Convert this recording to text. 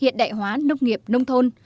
hiện đại hóa hiện đại hóa nông nghiệp nông thôn